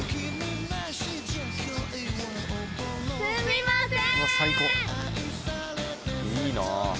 すみません！